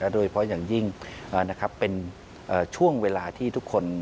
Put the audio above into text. โดยเฉพาะอย่างยิ่งเป็นช่วงเวลาที่ทุกคน